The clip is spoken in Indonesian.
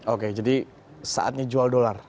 oke jadi saatnya jual dolar